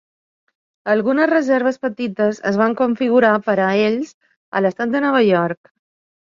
Algunes reserves petites es van configurar per a ells a l'estat de Nova York.